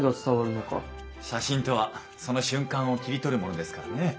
写真とはその瞬間を切り取るものですからね。